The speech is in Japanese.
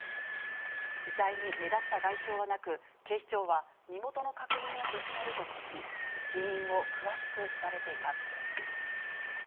遺体に目立った外傷はなく、警視庁は身元の確認を進めるとともに、死因を詳しく調べています。